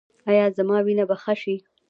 ایا زما وینه به ښه شي؟